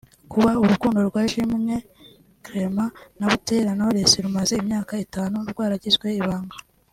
Kuba urukundo rwa Ishimwe Clement na Butera Knowless rumaze imyaka itanu rwaragizwe ibanga